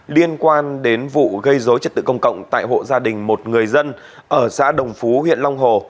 liên quan đến vụ gây dối trật tự công cộng tại hộ gia đình một người dân ở xã đồng phú huyện long hồ